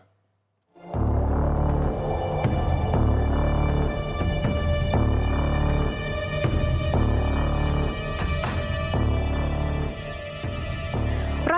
ร้อยตำรวจเมือง